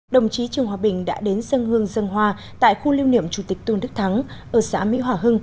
đồng chí trương hòa bình đã đến dân hương dân hoa tại khu lưu niệm chủ tịch tôn đức thắng ở xã mỹ hòa hưng